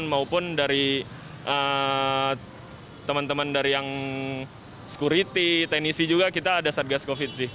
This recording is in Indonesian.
maupun dari teman teman dari yang security teknisi juga kita ada satgas covid sih